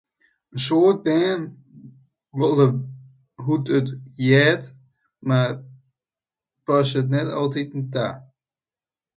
In soad bern witte wol hoe't it heart, mar passe it net ta.